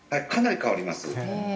かなり変わります。